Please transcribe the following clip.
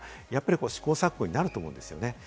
試行錯誤になると思うんですよね。